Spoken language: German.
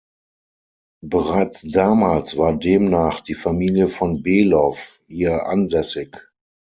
Bereits damals war demnach die Familie von Below hier ansässig.